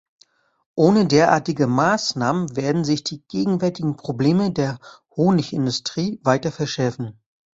Ohne derartige Maßnahmen werden sich die gegenwärtigen Probleme der Honigindustrie weiter verschärfen.